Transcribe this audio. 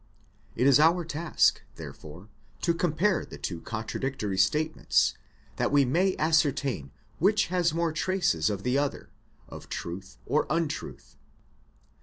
It is our task, therefore, to compare the two contradictory statements, that we may ascertain which has more traces than the other, of truth or un truth.